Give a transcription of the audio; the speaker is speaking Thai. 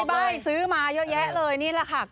ใบ้ซื้อมาเยอะแยะเลยนี่แหละค่ะ